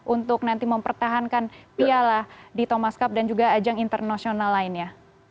untuk nanti mempertahankan piala di thomas cup dan juga ajang internasional lainnya